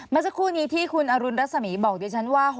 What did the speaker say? มาจากคู่นี้ที่คุณอรุณรัสมีบอกด้วยฉันว่า